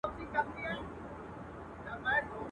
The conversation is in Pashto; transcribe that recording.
غریب سړی پر لاري تلم ودي ویشتمه.